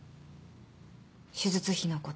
手術費のこと